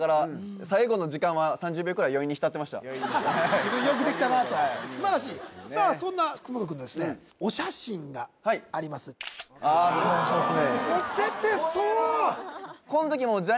自分よくできたなと素晴らしいさあそんな福本くんのお写真がありますでしょうね